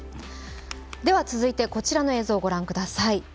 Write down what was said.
続いてこちらの映像御覧ください。